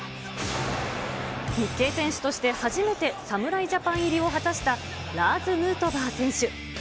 日系選手として初めて侍ジャパン入りを果たしたラーズ・ヌートバー選手。